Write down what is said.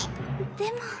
でも。